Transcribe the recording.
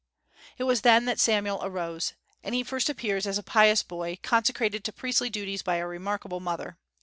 It was then that Samuel arose, and he first appears as a pious boy, consecrated to priestly duties by a remarkable mother.